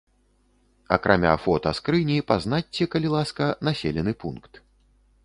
Акрамя фота скрыні пазначце, калі ласка населены пункт.